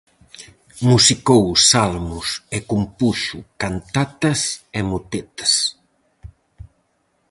Musicou salmos e compuxo cantatas e motetes.